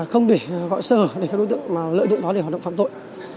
không để gọi sở để các đối tượng lợi dụng đó để hoạt động phạm tội